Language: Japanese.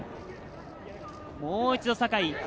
もう一度、坂井。